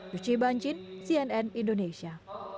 yuchi banjin cnn indonesia